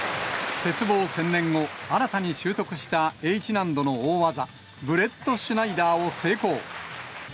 鉄棒専念後、新たに習得したＨ難度の大技、ブレットシュナイダーを成功。